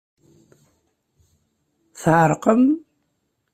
Tɛerqem?